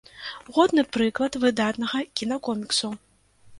Годны прыклад выдатнага кінакоміксу.